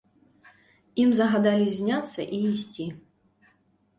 Ім загадалі зняцца і ісці.